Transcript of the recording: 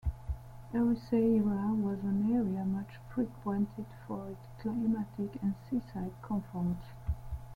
Ericeira was an area much frequented for its climatic and seaside comforts.